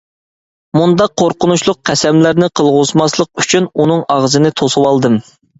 مۇنداق قورقۇنچلۇق قەسەملەرنى قىلغۇزماسلىق ئۈچۈن، ئۇنىڭ ئاغزىنى توسۇۋالدىم.